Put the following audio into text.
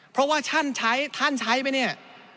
เพราะว่าท่านใช้ไปเนี่ย